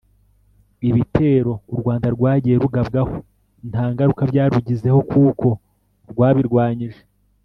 Ibitero u Rwanda rwagiye rugabwaho nta ngaruka byarugizeho kuko rwabirwanyije